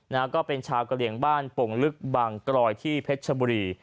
นะฮะก็เป็นชาวกะเหลี่ยงบ้านโป่งลึกบางกรอยที่เพชรชบุรี